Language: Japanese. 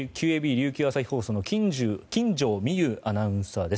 琉球朝日放送の金城美優アナウンサーです。